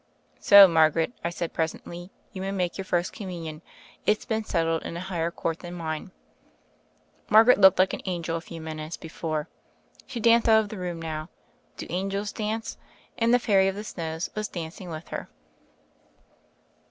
"So, Margaret," I said presently, "you may make your First Communion. It's been settled in a higher court than mine." Margaret looked like an angel a few minutes before. She danced out of the room now — do angels dance? — and the Fairy of the Snows was dancing with her.